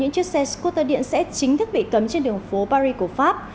những chiếc xe scooter điện sẽ chính thức bị cấm trên đường phố paris của pháp